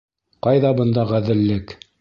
Ҡайҙа бында ғәҙеллек?